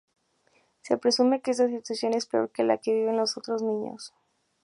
Se presume que esa situación es peor que la que viven los otros niños.